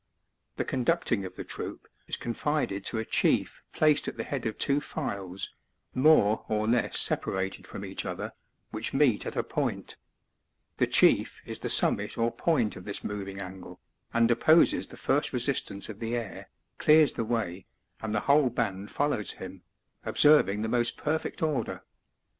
The conducting of the troop is confided to a chief placed at the head of two files, more or less separated from each other, which meet at a point ; the chief is the summit or point of this moving angle, and opposes the first resistance of the air, clears the way, and the whole band follows him, observing the most perfect order.